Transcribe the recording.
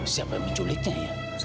siapa yang akan menangani aida